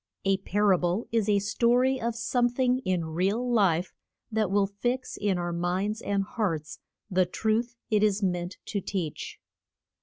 A par a ble is a sto ry of some thing in real life that will fix in our minds and hearts the truth it is meant to teach.